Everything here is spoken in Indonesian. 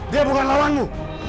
dia bukan lawanmu